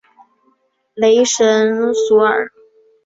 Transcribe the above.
雷神索尔。